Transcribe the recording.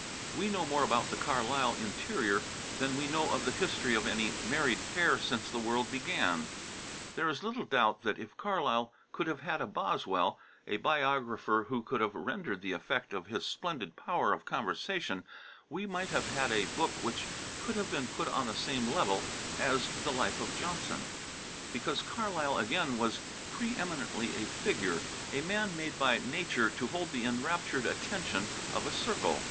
We know more about the Carlyle interior than we know of the history of any married pair since the world began. There is little doubt that if Carlyle could have had a Boswell, a biographer who could have rendered the effect of his splendid power of conversation, we might have had a book which could have been put on the same level as the life of Johnson, because Carlyle again was pre eminently a "figure," a man made by nature to hold the enraptured attention of a circle.